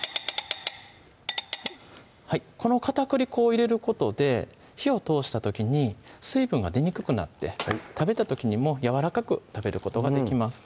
この片栗粉を入れることで火を通した時に水分が出にくくなって食べた時にもやわらかく食べることができます